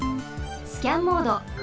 スキャンモード。